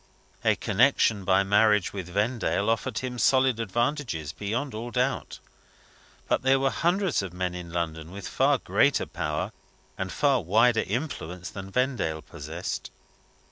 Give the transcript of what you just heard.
A connection by marriage with Vendale offered him solid advantages, beyond all doubt. But there were hundreds of men in London with far greater power and far wider influence than Vendale possessed.